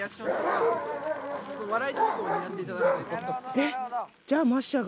えっ！